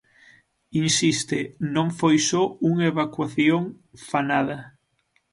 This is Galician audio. Insiste: Non foi só unha evacuación fanada.